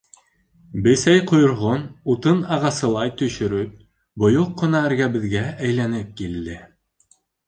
Бесәй ҡойроғон, утын ағасылай, төшөрөп, бойоҡ ҡына эргәбеҙгә әйләнеп килде.